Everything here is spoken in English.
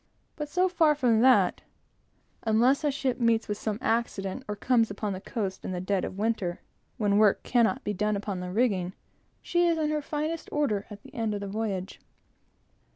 But so far from that, unless a ship meets with some accident, or comes upon the coast in the dead of winter, when work cannot be done upon the rigging, she is in her finest order at the end of the voyage.